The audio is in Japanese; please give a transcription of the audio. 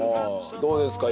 どうですか